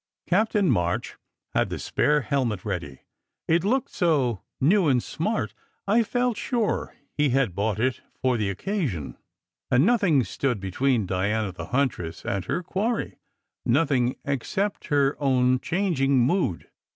Captain March had the spare helmet ready (it looked so new and smart, I felt sure he had bought it for the oc casion), and nothing stood between Diana the Huntress and her quarry nothing except her own changing mood.